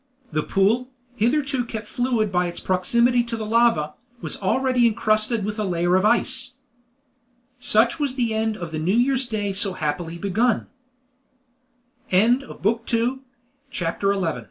The pool, hitherto kept fluid by its proximity to the lava, was already encrusted with a layer of ice. Such was the end of the New Year's Day so happily begun. CHAPTER XII. THE BOWELS OF THE COMET The